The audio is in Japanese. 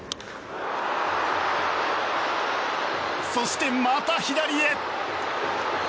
そして、また左へ。